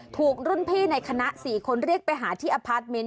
ถูกรุ่นพี่ในคณะ๔คนเรียกไปหาที่อพาร์ทเมนต์